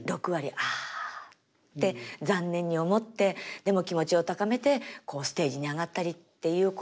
「あ」って残念に思ってでも気持ちを高めてこうステージに上がったりっていうこと。